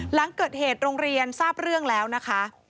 หลังเกิดเหตุโรงเรียนทราบเรื่องแล้วนะคะ